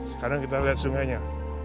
sekarang kita lihat sungainya